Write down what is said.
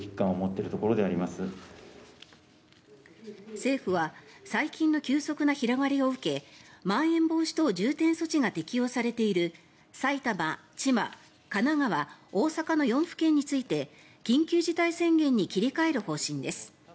政府は最近の急速な広がりを受けまん延防止等重点措置が適用されている埼玉、千葉、神奈川、大阪の４府県について緊急事態宣言に切り替える方針です。